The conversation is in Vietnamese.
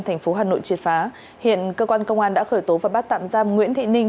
thành phố hà nội triệt phá hiện cơ quan công an đã khởi tố và bắt tạm giam nguyễn thị ninh